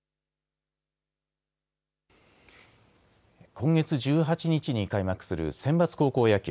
今月１８日に開幕するセンバツ高校野球。